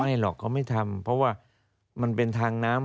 หรอกเขาไม่ทำเพราะว่ามันเป็นทางน้ำ